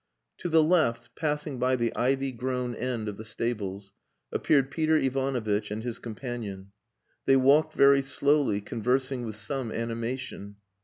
To the left, passing by the ivy grown end of the stables, appeared Peter Ivanovitch and his companion. They walked very slowly, conversing with some animation.